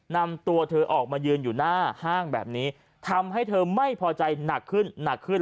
นำตัวเธอออกมายืนอยู่หน้าห้างแบบนี้ทำให้เธอไม่พอใจหนักขึ้นหนักขึ้น